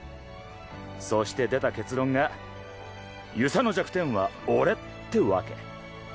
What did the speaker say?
そして出た結論が遊佐の弱点は俺ってわけ。